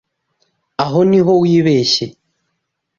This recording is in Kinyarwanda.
Aho niho wibeshye.